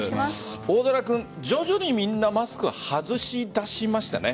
大空君、徐々にみんなマスク外し出しましたね。